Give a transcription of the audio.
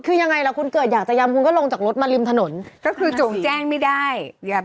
คือริมถนนก็อันตรายคุณมันนั่งแบบ